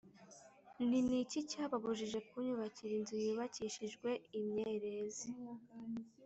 nti ni iki cyababujije kunyubakira inzu yubakishijwe imyerezi?’